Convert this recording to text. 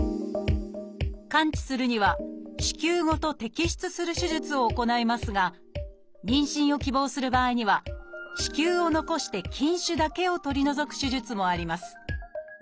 完治するには子宮ごと摘出する手術を行いますが妊娠を希望する場合には子宮を残して筋腫だけを取り除く手術もあります。